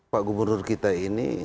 pak gubernur kita ini